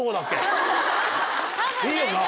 いいよな？